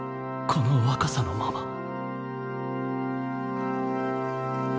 この若さのまま